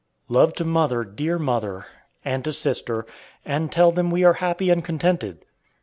Love to mother, dear mother; and to sister, and tell them we are happy and contented.